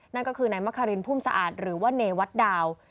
นั่นก็คือนายมะคารินพุ่มสะอาดหรือว่าเนวัดดาว